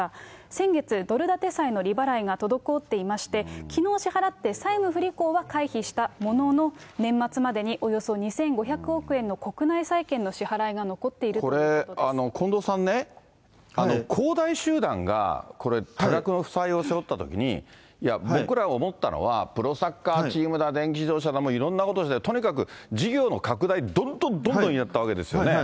先月、ドル建て債の利払いが滞っていまして、きのう支払って、債務不履行は回避したものの、年末までにおよそ２５００億円の国内債券の支払いが残っていると近藤さんね、恒大集団がこれ、多額の負債を背負ったときに、僕らが思ったのは、プロサッカーチームだ、電気自動車だ、いろんなことして、とにかく事業の拡大、どんどんどんどんやったわけですよね。